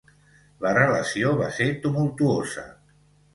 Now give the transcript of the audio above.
La relació va ser tumultuosa.